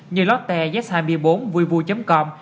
như lotte z hai mươi bốn vui vui com